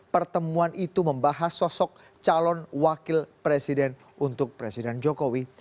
pertemuan itu membahas sosok calon wakil presiden untuk presiden jokowi